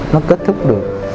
nó kết thúc được